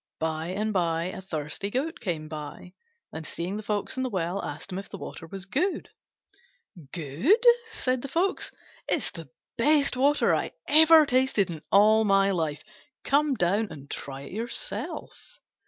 By and by a thirsty Goat came by, and seeing the Fox in the well asked him if the water was good. "Good?" said the Fox, "it's the best water I ever tasted in all my life. Come down and try it yourself."